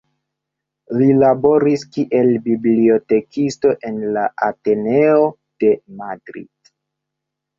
Li laboris kiel bibliotekisto en la Ateneo de Madrid.